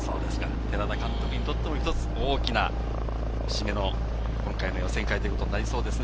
寺田監督にとっても一つ大きな節目の今回の予選会ということになりそうです。